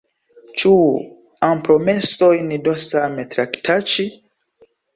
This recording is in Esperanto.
Ĉu ampromesojn do same traktaĉi?